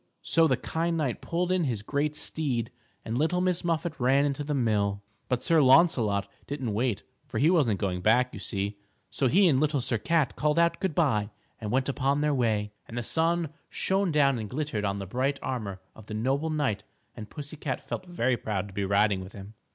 So the kind knight pulled in his great steed and Little Miss Muffet ran into the mill. But Sir Launcelot didn't wait, for he wasn't going back, you see, so he and Little Sir Cat called out good by and went upon their way. And the sun shone down and glittered on the bright armor of the noble knight and pussy cat felt very proud to be riding with him.